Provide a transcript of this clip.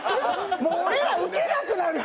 もう俺らウケなくなる。